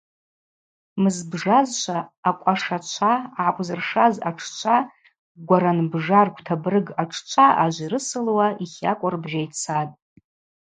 Мызбжазшва акӏвашачва гӏакӏвзыршаз атшчва гваранбжа рквтабырг атшчва ажвирысылуа йхакӏва рбжьайцатӏ.